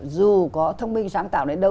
dù có thông minh sáng tạo đến đâu